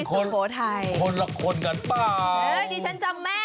คนคนคนกาบป้า